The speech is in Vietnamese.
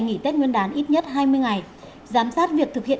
nghỉ tết nguyên đán ít nhất hai mươi ngày giám sát việc thực hiện